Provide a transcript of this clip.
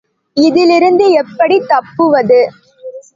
இதிலிருந்து எப்படித் தப்புவது?